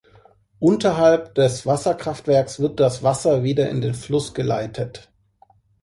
Unterhalb des Wasserkraftwerks wird das Wasser wieder in den Fluss geleitet.